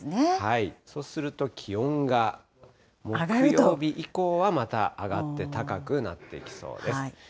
そうすると、気温が木曜日以降はまた上がって、高くなっていきそうです。